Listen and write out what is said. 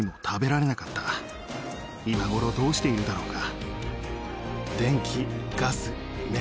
今頃どうしているだろうか？